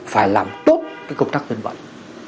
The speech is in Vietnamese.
phải làm tốt cái công tác tuyên bẩn